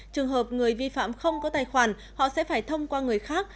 trường hợp người vi phạm không có tài khoản họ sẽ phải thông qua người khác